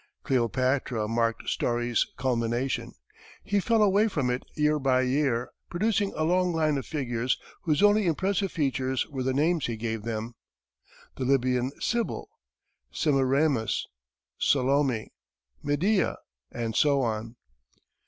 "Cleopatra" marked Story's culmination. He fell away from it year by year, producing a long line of figures whose only impressive features were the names he gave them "The Libyan Sibyl," "Semiramis," "Salome," "Medea," and so on.